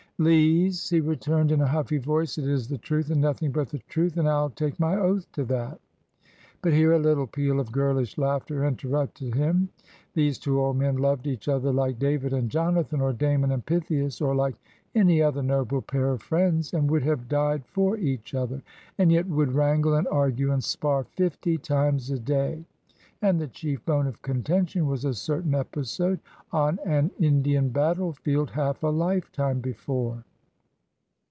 "Lees!" he returned, in a huffy voice, "it is the truth and nothing but the truth, and I'll take my oath to that." But here a little peal of girlish laughter interrupted him. These two old men loved each other like David and Jonathan, or Damon and Pythias, or like any other noble pair of friends, and would have died for each other, and yet would wrangle and argue and spar fifty times a day; and the chief bone of contention was a certain episode on an Indian battle field half a lifetime before.